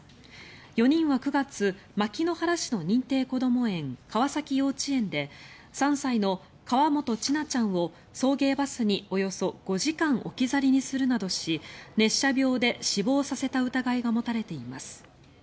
４人は９月牧之原市の認定こども園川崎幼稚園で３歳の河本千奈ちゃんを送迎バスにおよそ５時間置き去りにするなどし熱射病で死亡させた疑いが持たれています。